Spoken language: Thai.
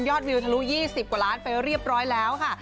วิวทะลุ๒๐กว่าล้านไปเรียบร้อยแล้วค่ะ